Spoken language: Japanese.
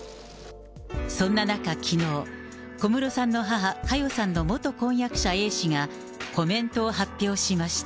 そんな中、きのう、小室さんの母、佳代さんの元婚約者、Ａ氏がコメントを発表しました。